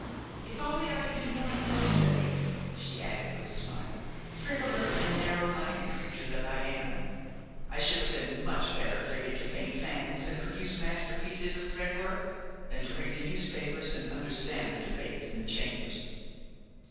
If only I had been born in those days!" she added with a smile; "frivolous and narrow minded creature that I am, I should have been much better fitted to paint fans and produce masterpieces of thread work than to read the newspapers and understand the debates in the Chambers!"